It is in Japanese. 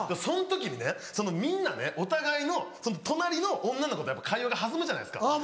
その時にねみんなねお互いの隣の女の子とやっぱ会話が弾むじゃないですか。